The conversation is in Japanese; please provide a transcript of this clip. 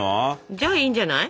じゃあいいんじゃない。